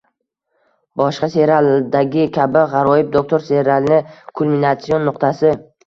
Boshqa serialdagi kabi «G’aroyib doktor» serialini kulminatsion nuqtasi